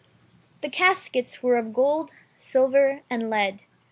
The caskets were of gold, silver, and lead.